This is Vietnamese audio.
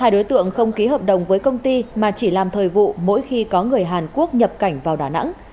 hai đối tượng không ký hợp đồng với công ty mà chỉ làm thời vụ mỗi khi có người hàn quốc nhập cảnh vào đà nẵng